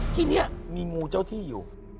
ที่นี่มีงูเจ้าที่อยู่